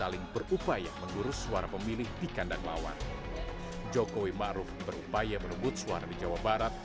jelang pencobosan yang tinggal sebulan lagi dua pasangan jokowi maru merupakan suara yang sangat menarik